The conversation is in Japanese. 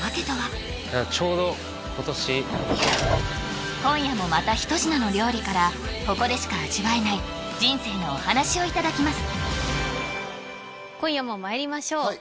ちょうど今年今夜もまた一品の料理からここでしか味わえない人生のお話をいただきます